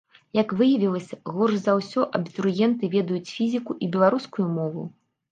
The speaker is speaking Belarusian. Як выявілася, горш за ўсё абітурыенты ведаюць фізіку і беларускую мову.